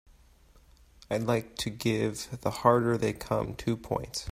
I'd like to give The Harder They Come two points